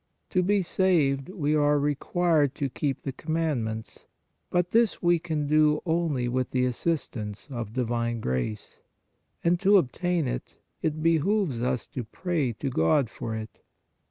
To be saved, we are required to keep the commandments, but this we can do only with the assistance of divine grace; and to obtain it, it be hooves us to pray to God for it.